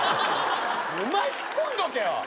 お前引っ込んどけよ。